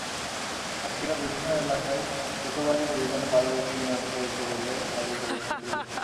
সাতক্ষীরার বিভিন্ন এলাকায় যৌথবাহিনীর অভিযানে পাঁচ ব্যক্তি নিহত হয়েছে বলে দাবি করেছে পুলিশ।